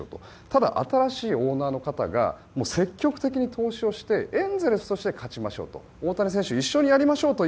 ただ、新しいオーナーの方が積極的に投資をしてエンゼルスとして勝ちましょうと。